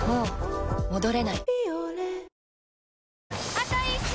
あと１周！